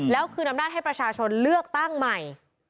แล้วคืนอำนาจให้ประชาชนเลือกตั้งใหม่